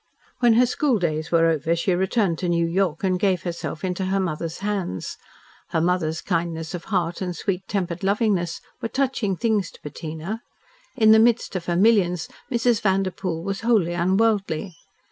When her school days were over she returned to New York and gave herself into her mother's hands. Her mother's kindness of heart and sweet tempered lovingness were touching things to Bettina. In the midst of her millions Mrs. Vanderpoel was wholly unworldly.